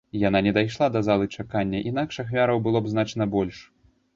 Яна не дайшла да залы чакання, інакш ахвяраў было б значна больш.